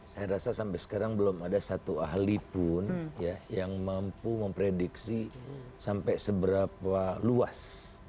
saya rasa sampai sekarang belum ada satu ahli pun yang mampu memprediksi sampai seberapa luas